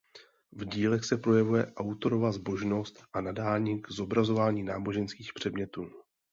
V dílech se projevuje autorova zbožnost a nadání k zobrazování náboženských předmětů.